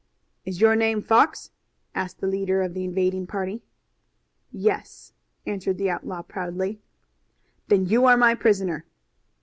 "Is your name Fox?" asked the leader of the invading party. "Yes," answered the outlaw proudly. "Then you are my prisoner."